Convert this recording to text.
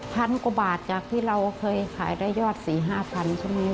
พันกว่าบาทจากที่เราเคยขายได้ยอด๔๕๐๐ใช่ไหม